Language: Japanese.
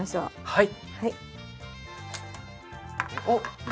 はい。